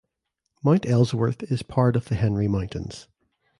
Mount Ellsworth is part of the Henry Mountains.